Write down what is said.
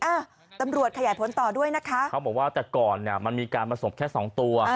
อ่ะตำรวจขยายผลต่อด้วยนะคะเขาบอกว่าแต่ก่อนเนี้ยมันมีการผสมแค่สองตัว